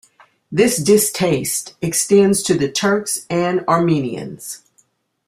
This distaste extends to the Turks and Armenians.